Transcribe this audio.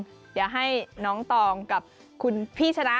เดี๋ยวให้น้องตองกับคุณพี่ชนะ